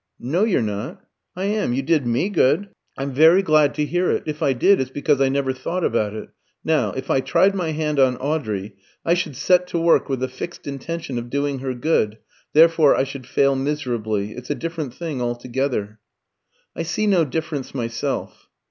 "No, you're not." "I am. You did me good." "I'm very glad to hear it. If I did, it's because I never thought about it. Now, if I tried my hand on Audrey, I should set to work with the fixed intention of doing her good; therefore I should fail miserably. It's a different thing altogether." "I see no difference myself."